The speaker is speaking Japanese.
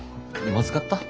まずかった？